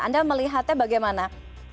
anda melihatnya bagaimana